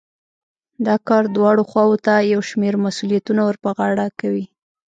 دا کار دواړو خواوو ته يو شمېر مسوليتونه ور په غاړه کوي.